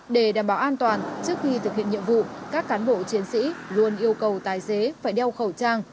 để đảm bảo an toàn trước khi thực hiện nhiệm vụ các cán bộ chiến sĩ luôn yêu cầu tài xế phải đeo khẩu trang